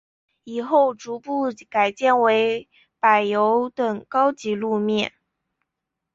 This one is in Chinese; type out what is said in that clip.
以后逐步改建为柏油等高级路面。